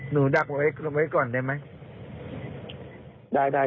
หนูทักไว้ตอนนี้ก่อนได้ไหม